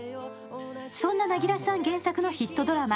そんな凪良さん原作のヒットドラマ